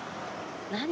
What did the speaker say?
何？